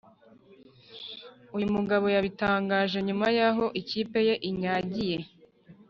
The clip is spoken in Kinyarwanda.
uyu mugabo yabitangaje nyuma y’aho ikipe ye inyagiye